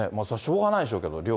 それはしょうがないでしょう